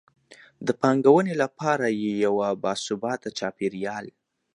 د پانګونې لپاره یو باثباته چاپیریال.